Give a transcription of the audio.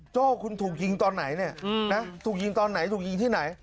โจ้คุณถูกยิงตอนไหนเนี่ยนะถูกยิงตอนไหนถูกยิงที่ไหน